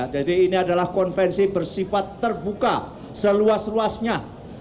jadi ini adalah konvensi bersifat terbuka seluas luasnya